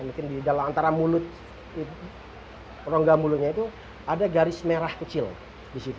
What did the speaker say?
mungkin di dalam antara mulut rongga mulutnya itu ada garis merah kecil di situ